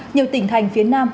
nhiều tỉnh thành phía nam